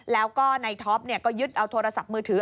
แล้วก็ในท็อปก็ยึดเอาโทรศัพท์มือถือ